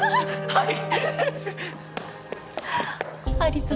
はい！